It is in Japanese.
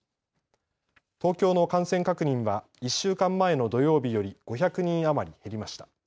東京の感染確認は１週間前の土曜日より５００人余り減りました。